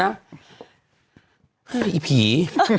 ไอ้ผี